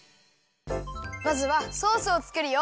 まずはソースをつくるよ。